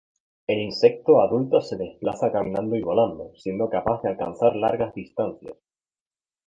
El insecto adulto se desplaza caminando y volando, siendo capaz de alcanzar largas distancias.